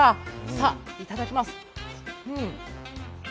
さぁ、いただきます。